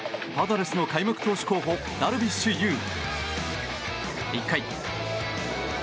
パドレスの開幕投手候補ダルビッシュ有。